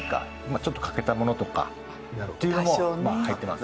ちょっと欠けたものとかっていうのも入ってます。